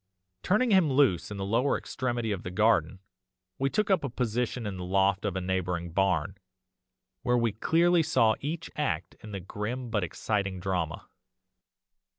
Turning him loose in the lower extremity of the garden, we took up a position in the loft of a neighbouring barn, where we clearly saw each act in the grim but exciting drama.